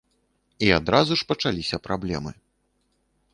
І адразу ж пачаліся праблемы.